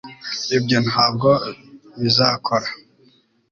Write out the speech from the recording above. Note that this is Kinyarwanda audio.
ibyo ntabwo bizakora